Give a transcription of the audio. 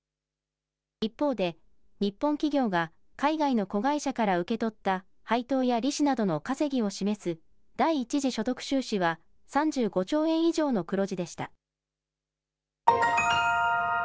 一方で、日本企業が海外の子会社から受け取った配当や利子などの稼ぎを示す第一次所得収支は３５兆円以上の黒字でした。